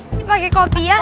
ini pake kopi ya